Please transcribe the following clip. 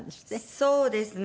そうですね。